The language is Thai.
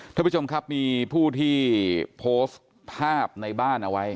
ท่านผู้ชมครับมีผู้ที่โพสต์ภาพในบ้านเอาไว้